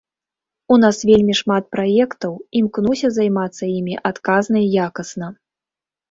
У нас вельмі шмат праектаў, імкнуся займацца імі адказна і якасна.